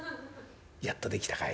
「やっと出来たかい。